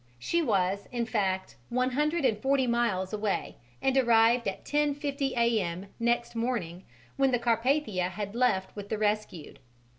She was, in fact, one hundred and forty miles away and arrived at 10.50 A.M. next morning, when the Carpathia had left with the rescued.